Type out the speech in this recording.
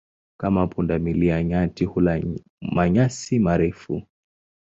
Kama punda milia, nyati hula manyasi marefu.